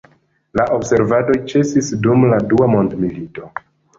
La observadoj ĉesis dum la dua mondmilito.